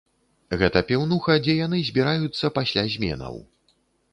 Гэта піўнуха, дзе яны збіраюцца пасля зменаў.